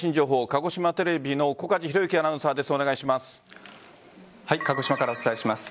鹿児島テレビの小鍛冶宏将アナウンサーです。